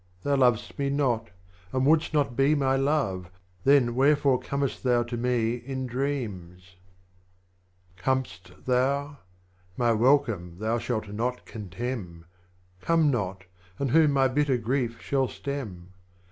Thou lov'st me not, and wouldst not be my Love, Then wherefore comest thou to me in Dreams ? 17. Com'st thou ? My Welcome thou shalt not contemn ; Come not, and who my bitter Grief shall stem